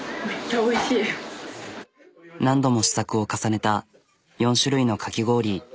何度も試作を重ねた４種類のかき氷。